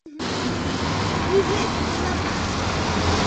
І гэта была праўда.